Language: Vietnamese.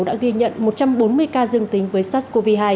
đã ghi nhận một trăm bốn mươi ca dương tính với sars cov hai